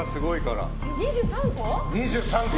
２３個？